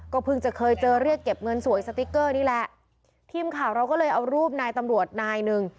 เพิ่งจะเคยเจอเรียกเก็บเงินสวยสติ๊กเกอร์นี่แหละทีมข่าวเราก็เลยเอารูปนายตำรวจนายหนึ่ง